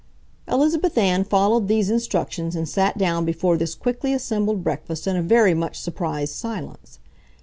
Elizabeth Ann followed these instructions and sat down before this quickly assembled breakfast in a very much surprised silence.